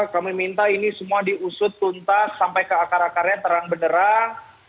kami minta ini semua diusut tuntas sampai ke akar akarnya terang benerang